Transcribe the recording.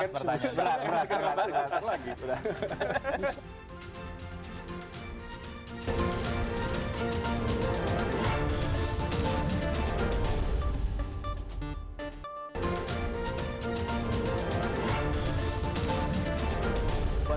kita nggak tahu bisa sesuai lagi